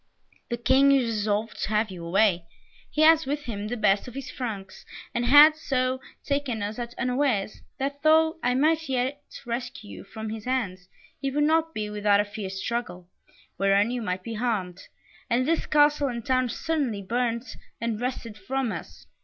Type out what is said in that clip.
"The King is resolved to have you away; he has with him the best of his Franks, and has so taken us at unawares, that though I might yet rescue you from his hands, it would not be without a fierce struggle, wherein you might be harmed, and this castle and town certainly burnt, and wrested from us.